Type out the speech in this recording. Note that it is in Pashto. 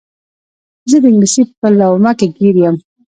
زه د انګلیس په لومه کې ګیر یم.